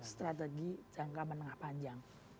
strategi jangka menengah panjang